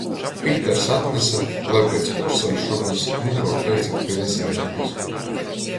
Pīters atnese, lai piec puorsaļšonys mudruok teicit pi veseleibys.